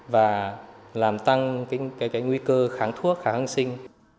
và làm tăng cái nguy cơ kháng thuốc kháng hương sinh